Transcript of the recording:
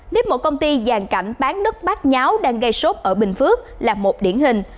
nếp một công ty dàn cảnh bán đất bát nháo đang gây sốt ở bình phước là một điển hình